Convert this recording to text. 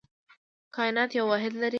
کائنات یو واحد روح لري.